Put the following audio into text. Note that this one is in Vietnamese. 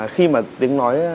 khi mà tiếng nói